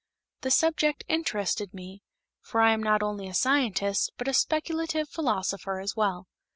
The subject interested me, for I am not only a scientist, but a speculative philosopher as well.